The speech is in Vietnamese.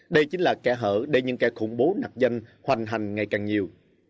đây chính là kẻ hở để những kẻ khủng bố nạp danh hoành hành ngày càng nhiều